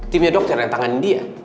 timnya dokter dan tangan dia